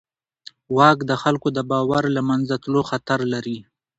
واک د خلکو د باور له منځه تلو خطر لري.